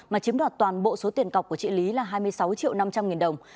mà chiếm đoạt toàn bộ số tiền cọc của chị lý là hai mươi sáu triệu năm trăm linh nghìn đồng